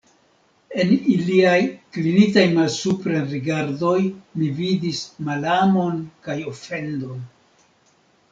En iliaj klinitaj malsupren rigardoj mi vidis malamon kaj ofendon.